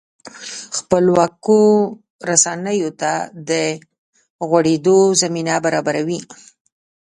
خپلواکو رسنیو ته د غوړېدو زمینه برابروي.